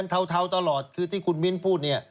เทาตลอดคือที่คุณมิ้นพูดเนี่ย